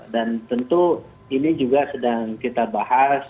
dan tentu ini juga sedang kita bahas